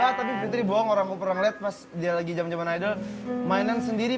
ya gitu lah ngerti tapi betul bohong orang orang lihat pas dia lagi zaman zaman idol mainan sendiri